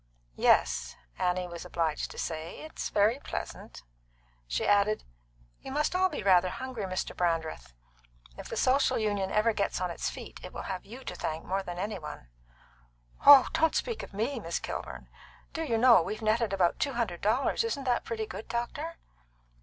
"Yes," Annie was obliged to say; "it's very pleasant." She added: "You must all be rather hungry, Mr. Brandreth. If the Social Union ever gets on its feet, it will have you to thank more than any one." "Oh, don't speak of me, Miss Kilburn! Do you know, we've netted about two hundred dollars. Isn't that pretty good, doctor?"